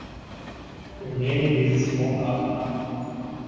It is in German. Wir lehnen dieses Vorhaben ab.